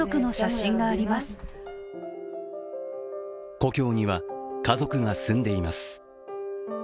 故郷には家族が住んでいます。